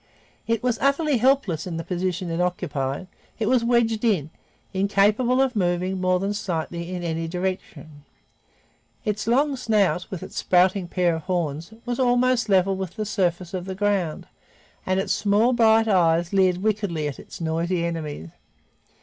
It was utterly helpless in the position it occupied. It was wedged in, incapable of moving more than slightly in any direction. Its long snout, with its sprouting pair of horns, was almost level with the surface of the ground and its small bright eyes leered wickedly at its noisy enemies.